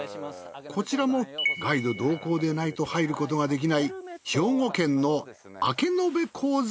こちらもガイド同行でないと入ることができない兵庫県の明延鉱山。